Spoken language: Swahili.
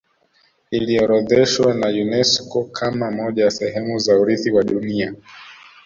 iliorodheshwa na unesco kama moja ya sehemu za urithi wa dunia